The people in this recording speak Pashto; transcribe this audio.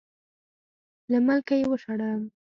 له ملکه یې وشړم.